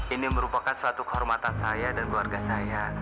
ini merupakan suatu kehormatan saya dan keluarga saya